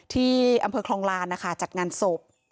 ที่อำเภอคลองลานนะคะจัดงานศพ